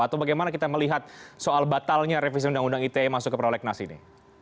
atau bagaimana kita melihat soal batalnya revisi undang undang ite masuk ke prolegnas ini